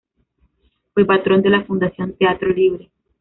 Fue patrón de la Fundación Teatro Libre.